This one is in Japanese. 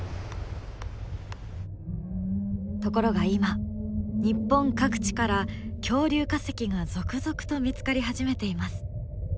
ところが今日本各地から恐竜化石が続々と見つかり始めています。